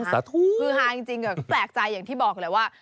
อ๋อสาธุคือหาจริงก็แปลกใจอย่างที่บอกเลยว่า